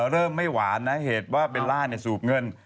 เริ่มไม่หวานนะเหตุว่าเบลล่าสูบเงิน